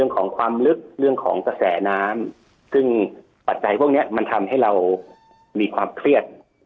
ของความลึกเรื่องของกระแสน้ำซึ่งปัจจัยพวกนี้มันทำให้เรามีความเครียด